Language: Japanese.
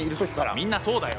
みんなそうだよ。